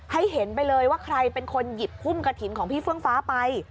ให้เห็นไปเลยว่าใครเป็นคนหยิบหุ้มกระถิ่นของพี่เฟื่องฟ้าไป